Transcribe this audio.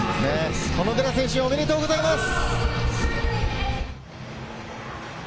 小野寺選手、おめでとうございます。